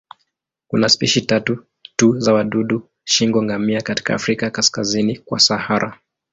Kuna spishi tatu tu za wadudu shingo-ngamia katika Afrika kaskazini kwa Sahara.